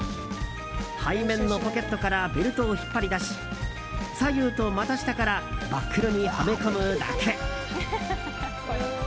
背面のポケットからベルトを引っ張り出し左右と股下からバックルにはめ込むだけ。